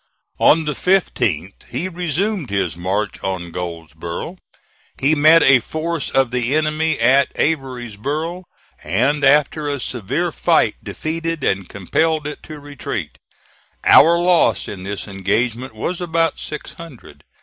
On the 15th he resumed his march on Goldsboro'. He met a force of the enemy at Averysboro', and after a severe fight defeated and compelled it to retreat. Our loss in this engagement was about six hundred.